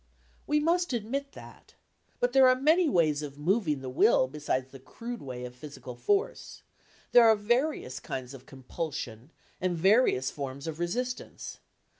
We must admit that. But there are many ways of moving the will besides the crude way of physical force; there are various kinds of compulsion and various forms of resistance.